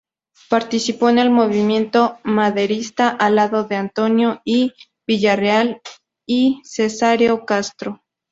Participó en el movimiento maderista al lado de Antonio I. Villarreal y Cesáreo Castro.